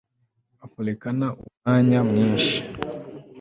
Afurekana umunya mwinshi